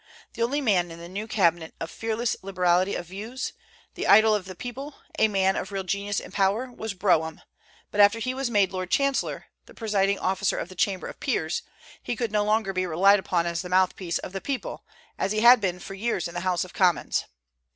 The only man in the new cabinet of fearless liberality of views, the idol of the people, a man of real genius and power, was Brougham; but after he was made Lord Chancellor, the presiding officer of the Chamber of Peers, he could no longer be relied upon as the mouthpiece of the people, as he had been for years in the House of Commons.